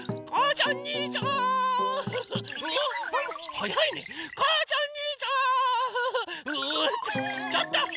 ちょっと！